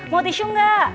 mau tisu gak